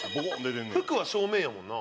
服は正面やもんな。